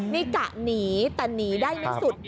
นี่กะหนีแต่หนีได้ไม่สุด